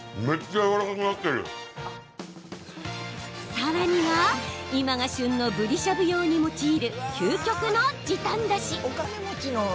さらには今が旬のぶりしゃぶに用いる究極の時短だし。